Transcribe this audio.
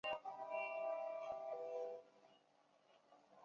派克维尔是一个位于美国阿拉巴马州杰克逊县的非建制地区。